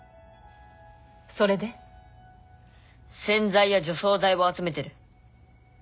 洗剤や除草剤を集めてる。